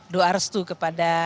doa restu kepada